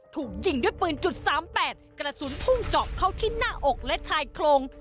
ถูกยิงด้วยปืนจุด๓๘กระสุนพุ่งเจาะเข้าที่หน้าอกและชายโครง